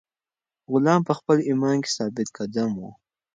غلام په خپل ایمان کې ثابت قدم و.